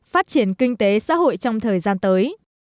phát triển kinh tế xã hội trong thời gian tới